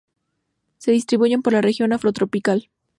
Se distribuyen por la región afrotropical.